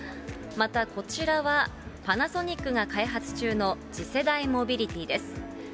また、こちらはパナソニックが開発中の次世代モビリティです。